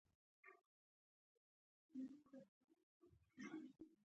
وزې په کوچنیو رمو کې ګرځي